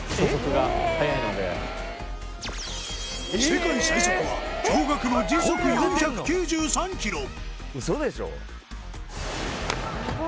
世界最速は驚愕の時速４９３キロ